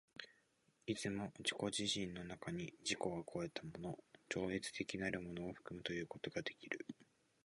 いつも自己自身の中に自己を越えたもの、超越的なるものを含むということができる。